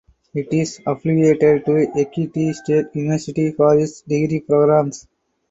It is affiliated to Ekiti State University for its degree programmes.